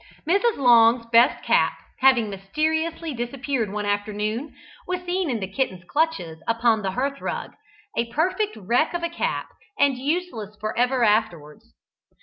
Mrs. Long's best cap, having mysteriously disappeared one afternoon, was seen in the kitten's clutches upon the hearthrug, a perfect wreck of a cap, and useless for ever afterwards.